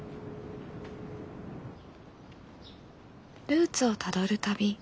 ルーツをたどる旅。